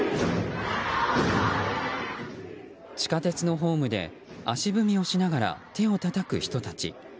地下鉄のホームで足踏みをしながら手をたたく人たち。